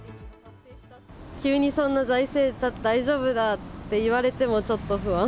急にそんな、財政大丈夫だって言われても、ちょっと不安。